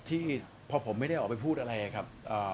ที่พอผมไม่ได้ออกไปพูดอะไรครับ